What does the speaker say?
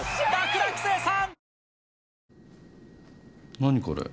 何これ？